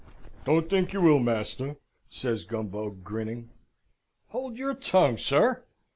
"Don't tink you will, master!" says Gumbo, grinning. "Hold your tongue, sir!